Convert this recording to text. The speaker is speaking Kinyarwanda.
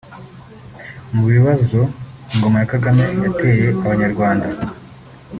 Mu bibazo ingoma ya Kagame yateye abanyarwanda